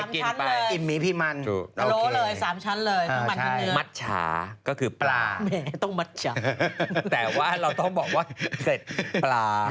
กินไป๓ชั้นเลยมัดช้าก็คือปลาแต่ว่าเราต้องบอกว่าเสร็จปลา